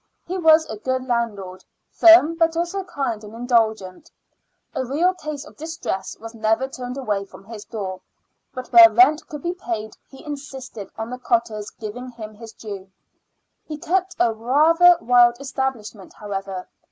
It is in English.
He was a good landlord, firm but also kind and indulgent. A real case of distress was never turned away from his doors, but where rent could be paid he insisted on the cottars giving him his due. He kept a rather wild establishment, however.